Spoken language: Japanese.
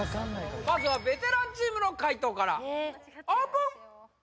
まずはベテランチームの解答からオープン！